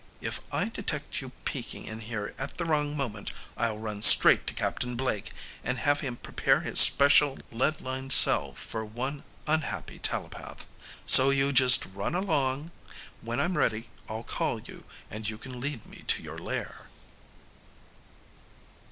If I detect you peeking in here at the wrong moment, I'll run straight to Captain Blake and have him prepare his special lead lined cell for one unhappy telepath. So you just run along. When I'm ready, I'll call you and you can lead me to your lair."